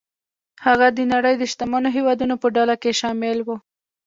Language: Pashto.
هغه د نړۍ د شتمنو هېوادونو په ډله کې شامل و.